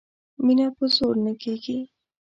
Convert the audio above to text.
مینه په زور نه کیږي